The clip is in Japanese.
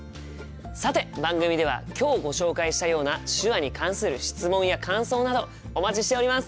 さて番組では今日ご紹介したような手話に関する質問や感想などお待ちしております！